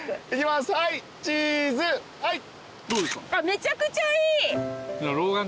めちゃくちゃいい。